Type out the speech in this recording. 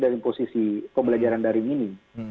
dari posisi pembelajaran dari mini